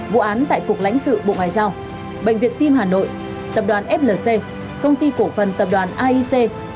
vụ án tại cục lãnh sự bộ ngoại giao bệnh viện tim hà nội tập đoàn flc công ty cổ phần tập đoàn aic